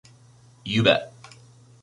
You bet.